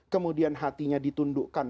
kemudian hatinya ditundukkan